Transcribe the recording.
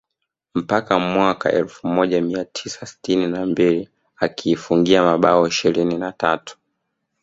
mpaka mwaka elfu moja mia tisa sitini na mbili akiifungia mabao ishirini na tatu